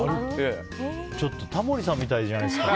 ちょっとタモリさんみたいじゃないですか。